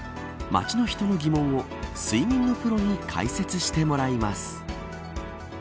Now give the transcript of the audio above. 街の人の疑問を睡眠のプロに解説してもらいます。